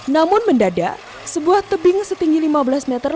namun mendadak sebuah tebing setinggi lima belas meter